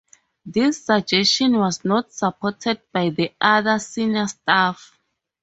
This suggestion was not supported by the other senior staff.